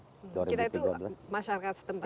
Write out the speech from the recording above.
kita itu masyarakat setempat